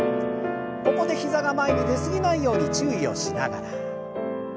ここで膝が前に出過ぎないように注意をしながら。